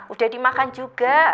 udah dimakan juga